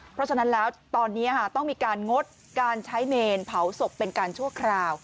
เพราะฉะนั้นแล้วตอนนี้ต้องมีการงดการใช้เมนเผาศพเป็นการชั่วคราว